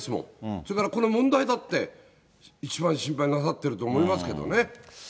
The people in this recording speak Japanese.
それからこの問題だって、一番心配なさってると思いますけどね。